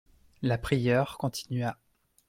La prieure continua.